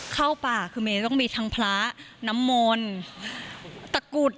เข้าป่าคือเมย์ต้องมีทั้งพระน้ำมนต์ตะกุด